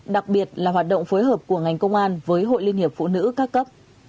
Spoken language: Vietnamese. đặc biệt là hoạt động phối hợp của ngành công an với hội liên hiệp phụ nữ các cấp